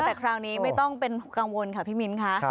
แต่คราวนี้ไม่ต้องเป็นกังวลค่ะพี่มิ้นค่ะ